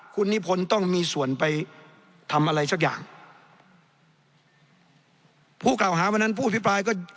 คุณนิพนธ์ต้องมีส่วนไปทำอะไรสักอย่างผู้กล่าวหาวันนั้นผู้อภิปรายก็